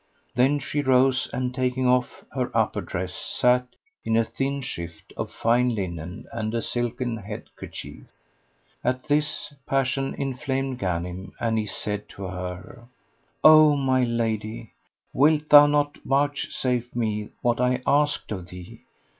Then she rose and taking off her upper dress sat in a thin shift of fine linen and a silken head kerchief.[FN#109] At this passion inflamed Ghanim and he said to her, "O my lady, wilt thou not vouchsafe me what I asked of thee?"